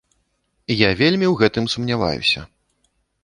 Я вельмі ў гэтым сумняваюся.